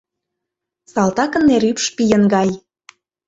Салтакын нерӱпш пийын гай.